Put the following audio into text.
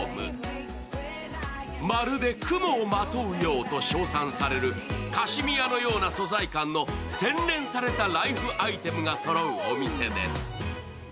まるで雲をまとうようと賞賛される、カシミヤのような素材感の洗練されたライフアイテムがそろうお店です。